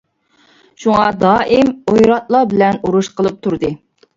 شۇڭا دائىم ئويراتلار بىلەن ئۇرۇش قىلىپ تۇردى.